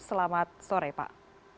selamat sore pak